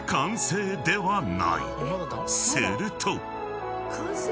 ［すると］